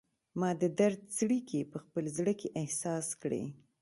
ما د درد څړیکې په خپل زړه کې احساس کړي